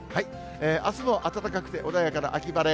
あすも暖かくて穏やかな秋晴れ。